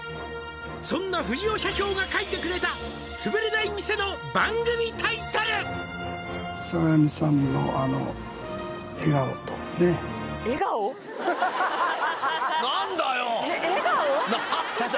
「そんな藤尾社長が書いてくれた」「つぶれない店の番組タイトル」社長